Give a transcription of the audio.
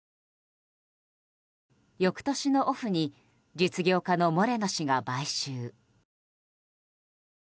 翌年のオフに実業家のモレノ氏が買収。